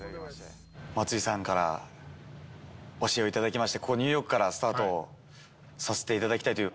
松井さんから教えを頂きまして、ここニューヨークからスタートをさせていただきたいという。